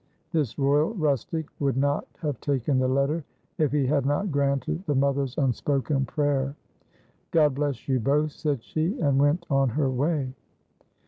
This royal rustic would not have taken the letter if he had not granted the mother's unspoken prayer. "God bless you both!" said she, and went on her way.